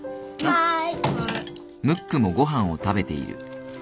はい。